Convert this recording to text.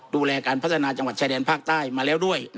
ดูแลการพัฒนาจังหวัดชายแดนภาคใต้มาแล้วด้วย